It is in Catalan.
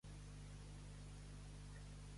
I què va passar en anar a Tegira?